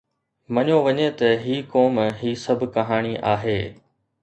مڃيو وڃي ته هي قوم هي سڀ ڪهاڻي آهي